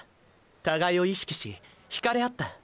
互いを意識しひかれ合った。